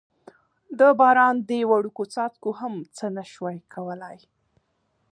د باران دې وړوکو څاڅکو هم څه نه شوای کولای.